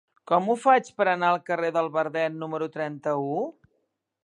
Com ho faig per anar al carrer del Verdet número trenta-u?